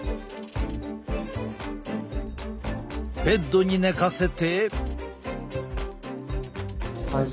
ベッドに寝かせて。